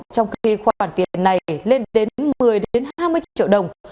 trong khi khoản tiền này lên đến một mươi hai mươi triệu đồng